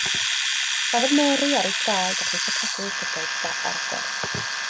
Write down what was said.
Safodd Mary ar ei thraed a cheisio cadw'i llygaid ar agor.